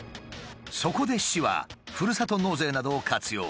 そこで市はふるさと納税などを活用。